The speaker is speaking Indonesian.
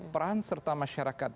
peran serta masyarakat